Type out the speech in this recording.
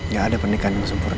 gak ada pernikahan yang sempurna